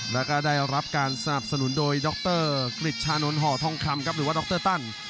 แล้วก็ได้รับการสนับสนุนโดยดรกฤษชานนท์ห่อทองคำครับหรือว่าดรตัน